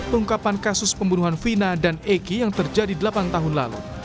pengungkapan kasus pembunuhan vina dan eki yang terjadi delapan tahun lalu